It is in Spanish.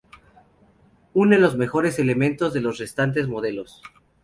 Une los mejores elementos de los restantes modelos.